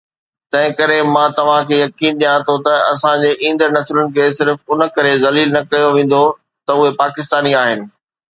تنهن ڪري مان توهان کي يقين ڏيان ٿو ته اسان جي ايندڙ نسلن کي صرف ان ڪري ذليل نه ڪيو ويندو ته اهي پاڪستاني آهن